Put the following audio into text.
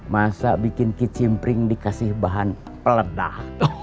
masa bikin kicim pring dikasih bahan peledah